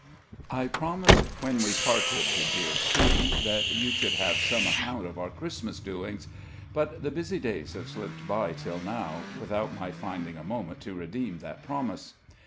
I promised, when we parted, dear C., that you should have some account of our Christmas doings; but the busy days have slipped by, till now, without my finding a moment to redeem that promise.